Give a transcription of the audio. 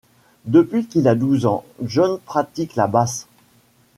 Depuis qu'il a douze ans, Jon pratique la basse.